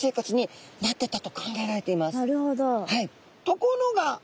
ところが！